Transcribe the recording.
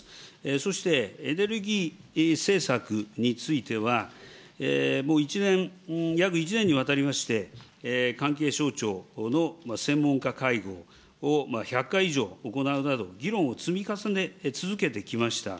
そしてエネルギー政策については、もう１年、約１年にわたりまして、関係省庁の専門家会合を１００回以上行うなど、議論を積み重ね続けてきました。